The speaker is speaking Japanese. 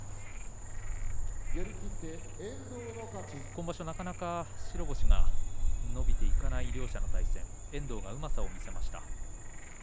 今場所、なかなか白星が伸びていかない両者の対戦に遠藤がうまさを見せました。